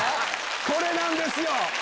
これなんですよ！